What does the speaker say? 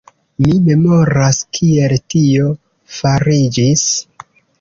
Mi memoras, kiel tio fariĝis.